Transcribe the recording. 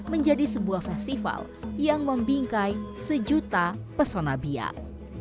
menjadi sebuah festival yang membingkai sejuta pesona biak